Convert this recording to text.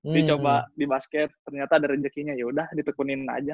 jadi coba di basket ternyata ada rejekinya yaudah ditekunin aja